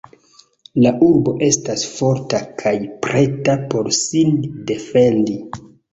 La urbo estas forta kaj preta por sin defendi.